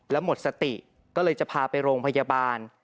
แล้วหมดสติก็เลยจะพาไปโรงพยาบาล